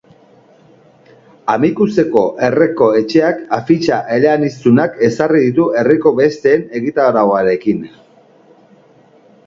Amikuzeko Herriko Etxeak afitxa eleaniztunak ezarri ditu herriko besten egitarauarekin.